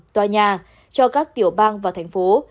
tòa nhà cho các tiểu bang và thành phố